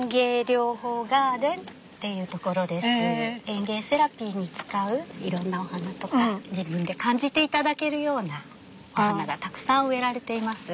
園芸セラピーに使ういろんなお花とか自分で感じて頂けるようなお花がたくさん植えられています。